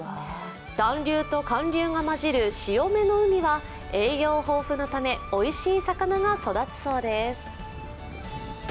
暖流と寒流がまじる潮目の海は栄養豊富なためおいしい魚が育つそうです。